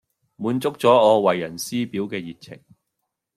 滿足咗我為人師表嘅熱情